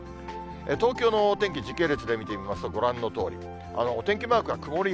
東京のお天気、時系列で見てみますと、ご覧のとおり。